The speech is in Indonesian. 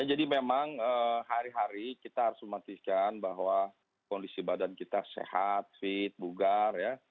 jadi memang hari hari kita harus memastikan bahwa kondisi badan kita sehat fit bugar